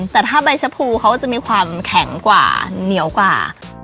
แต่ถ้าใบชะพูเขาจะมีความแข็งกว่าเหนียวกว่า